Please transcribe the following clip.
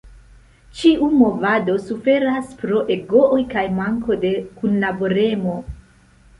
Ĉiu movado suferas pro egooj kaj manko de kunlaboremo.